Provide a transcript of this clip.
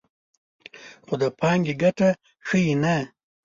خو د پانګې ګټه ښیي نه